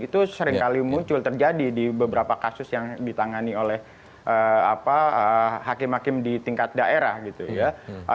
itu seringkali muncul terjadi di beberapa kasus yang ditangani oleh hakim hakim di tingkat daerah gitu ya